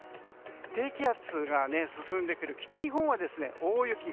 低気圧が進んでくる北日本は大雪。